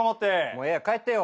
もうええ帰ってよ。